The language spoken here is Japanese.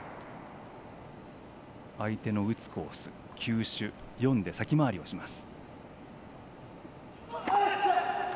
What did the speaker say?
相手の打つコース、球種読んで先回りをします。